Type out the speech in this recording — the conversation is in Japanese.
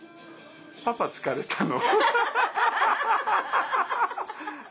パパ疲れたの。